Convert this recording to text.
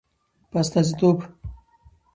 په استازیتوب